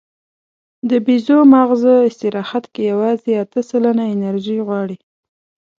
د بیزو ماغزه په استراحت کې یواځې اته سلنه انرژي غواړي.